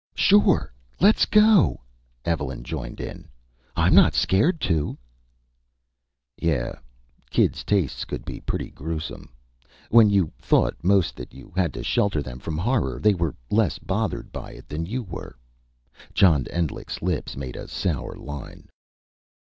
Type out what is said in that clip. "Sure! Let's go!" Evelyn joined in. "I'm not scared to!" Yeah, kids' tastes could be pretty gruesome. When you thought most that you had to shelter them from horror, they were less bothered by it than you were. John Endlich's lips made a sour line.